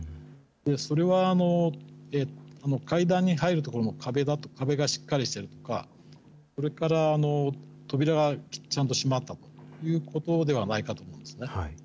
それは、階段に入る所の壁がしっかりしてるとか、それから扉がちゃんと閉まったということではないかと思うんですね。